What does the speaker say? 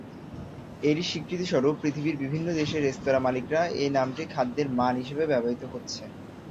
এরই স্বীকৃতিস্বরূপ পৃথিবীর বিভিন্ন দেশের রেস্তোঁরা মালিকরা এই নামটি খাদ্যের মান হিসেবে ব্যবহৃত হচ্ছে।